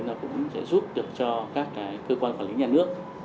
nó cũng sẽ giúp được cho các cơ quan quản lý nhà nước